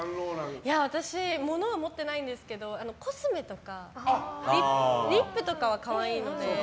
私、物は持ってないんですけどコスメとかリップとかは可愛いので。